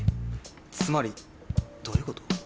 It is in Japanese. つまりどういうこと？